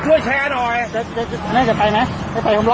ผมไม่ได้ยอมแม็กซ์ได้อย่าลอยผมไม่ใช่ได้หรอก